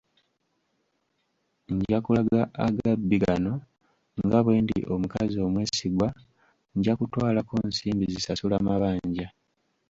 Nja kulaga agabbi gano nga bwe ndi omukazi omwesigwa, nja kutwalako nsimbi zisasula mabanja.